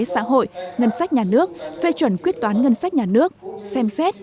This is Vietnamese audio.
xã hội ngân sách nhà nước phê chuẩn quyết toán ngân sách nhà nước xem xét